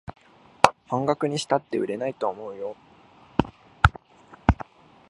半額にしたって売れないと思うよ